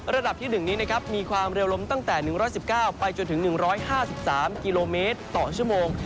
ระดับที่๑มีความเรลมตั้งแต่๑๑๙ไปถึง๑๕๓กิโลเมตรต่อชั่วโมง